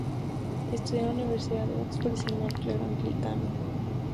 Estudió en la Universidad de Oxford y se unió al clero anglicano.